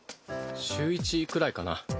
週１くらいかな。